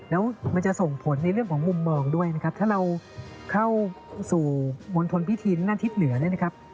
แล้วมันจะส่งผลในเรื่องของมุมมองด้วยนะครับถ้าเราเข้าสู่มณฑลพิธีหน้าทิศเหนือเนี่ยนะครับ